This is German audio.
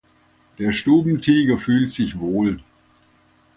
Der Stubentiger füht sich wohl.